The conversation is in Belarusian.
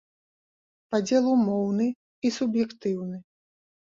Падзел умоўны і суб'ектыўны.